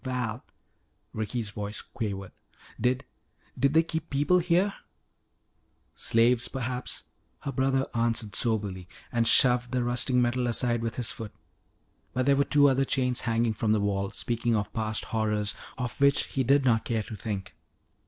"Val," Ricky's voice quavered, "did did they keep people here?" "Slaves, perhaps," her brother answered soberly and shoved the rusting metal aside with his foot. But there were two other chains hanging from the wall, speaking of past horrors of which he did not care to think.